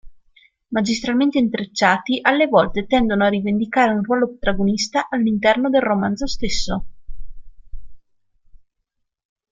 Magistralmente intrecciati, alle volte tendono a rivendicare un ruolo protagonista all'interno del romanzo stesso.